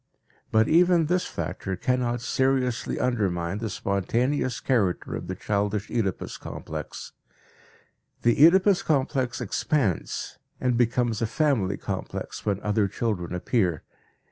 But even this factor cannot seriously undermine the spontaneous character of the childish Oedipus complex. The Oedipus complex expands and becomes a family complex when other children appear.